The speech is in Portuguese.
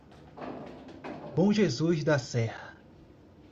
Bom Jesus da Serra